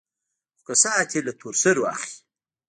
خو کسات يې له تور سرو اخلي.